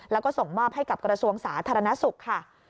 แล้วก็ส่งมอบให้กับกระทรวงสาธารณสุขค่ะ